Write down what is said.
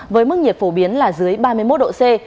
với mức nhiệt phổ biến là dưới ba mươi một độ c